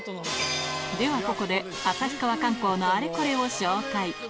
ではここで旭川観光のアレコレを紹介